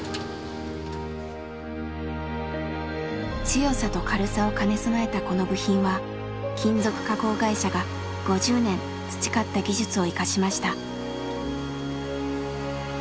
強さと軽さを兼ね備えたこの部品は金属加工会社が５０年培った技術を生かしました。